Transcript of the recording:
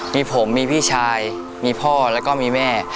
มีผมมีพี่ชายมีพ่อแล้วก็มีแม่